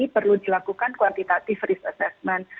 perlu dilakukan kuantitatif risk assessment